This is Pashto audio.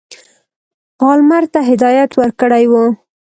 پالمر ته هدایت ورکړی وو.